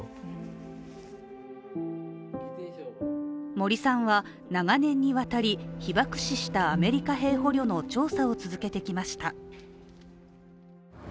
森さんは、長年にわたり被爆死したアメリカ兵捕虜の調査を続けてきました。